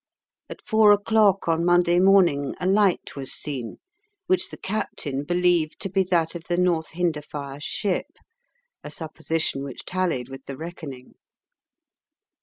At four o'clock on Monday morning a light was seen, which the captain believed to be that of the North Hinderfire ship, a supposition which tallied with the reckoning.